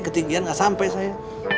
ketinggian gak sampe saya